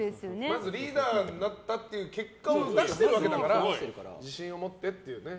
まずリーダーになったという結果を出してるわけだから自信を持ってっていうね。